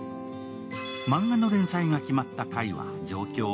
漫画の連載が決まった櫂は上京。